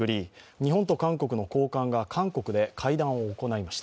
日本と韓国の高官が韓国で会談を行いました。